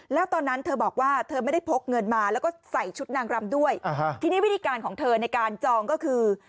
แล้วตอนนั้นเธอบอกว่าเธอไม่ได้พกเงินมาแล้วก็ใส่ชุดนางรำด้วยทีนี้วิธีการของเธอในการจองก็คือ